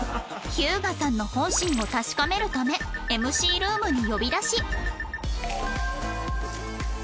日向さんの本心を確かめるため ＭＣ ルームに呼び出し